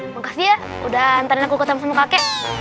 makasih ya udah antarin aku ke sana sama kakek